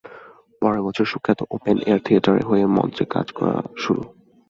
পরের বছর সুখ্যাত ওপেন এয়ার থিয়েটারের হয়ে মঞ্চে কাজ করা শুরু।